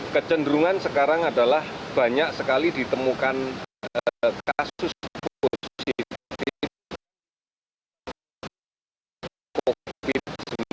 kecenderungan sekarang adalah banyak sekali ditemukan kasus positif covid sembilan belas